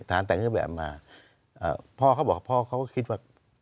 ทหารแต่งเครื่องแบบมาพ่อเขาบอกว่าพ่อเขาคิดว่า